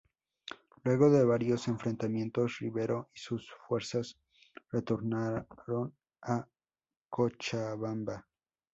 Luego de varios enfrentamientos, Rivero y sus fuerzas retornaron a Cochabamba.